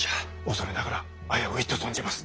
恐れながら危ういと存じます。